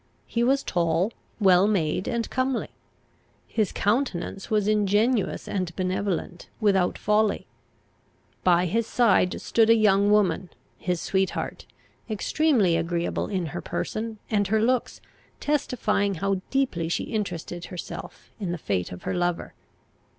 He was tall, well made, and comely. His countenance was ingenuous and benevolent, without folly. By his side stood a young woman, his sweetheart, extremely agreeable in her person, and her looks testifying how deeply she interested herself in the fate of her lover.